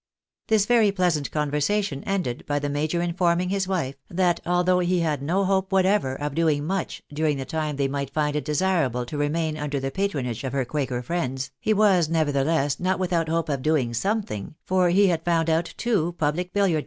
This very pleasant conversation ended by the major informing his wife, that although he had no hope whatever of doing much during the time they might find it desirable to remain under the patronage of her quakor friends, he was nevertheless not without hope of doing something^ for he had found out two public biUiard 246 THE BAENABYS IN AMERICA.